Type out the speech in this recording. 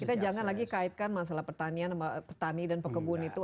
kita jangan lagi kaitkan masalah pertanian petani dan pekebun itu